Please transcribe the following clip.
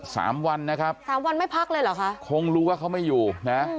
สามวันนะครับสามวันไม่พักเลยเหรอคะคงรู้ว่าเขาไม่อยู่นะ